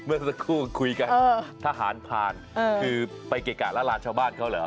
เมื่อสักครู่คุยกันทหารผ่านคือไปเกะกะละลานชาวบ้านเขาเหรอ